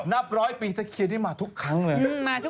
นับร้อยปีตะเคียนนี้มาทุกครั้งเลย